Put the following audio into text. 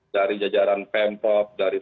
dari jajaran pempo dari